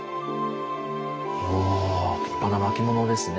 お立派な巻物ですね。